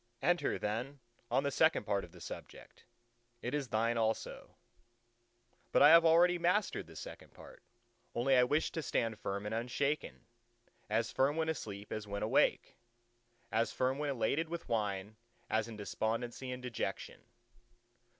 "Enter then on the second part of the subject; it is thine also." "But I have already mastered the second part; only I wished to stand firm and unshaken—as firm when asleep as when awake, as firm when elated with wine as in despondency and dejection."